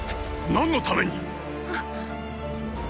何のために⁉あっ！